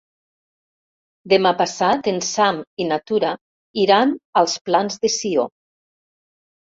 Demà passat en Sam i na Tura iran als Plans de Sió.